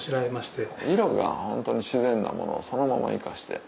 色がホントに自然なものをそのまま生かして。